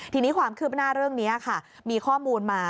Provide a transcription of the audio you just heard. ทีนี้ความคืบหน้าเรื่องนี้ค่ะมีข้อมูลมา